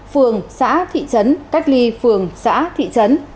phường xã thị trấn cách ly phường xã thị trấn